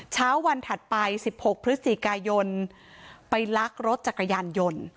เช้าวันถัดไป๑๖พฤศจิกายนไปลักรถจักรยานยนต์